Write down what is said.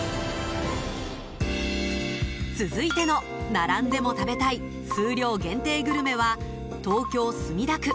続いての並んでも食べたい数量限定グルメは東京・墨田区。